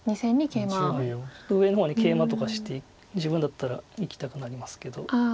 ちょっと上の方にケイマとかして自分だったらいきたくなりますけど。